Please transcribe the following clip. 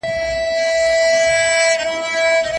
علم انسان ته د ژوند په هر پړاو کي نوې لارې ور پرانيزي.